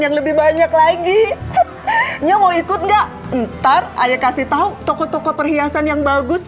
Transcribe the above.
yang lebih banyak lagi nya mau ikut enggak ntar ayah kasih tahu tokoh tokoh perhiasan yang bagus